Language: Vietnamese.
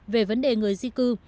về vấn đề người di cư